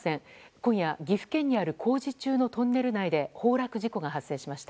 今夜、岐阜県にある工事中のトンネル内で崩落事故が発生しました。